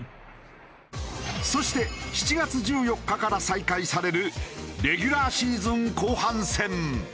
そして７月１４日から再開されるレギュラーシーズン後半戦。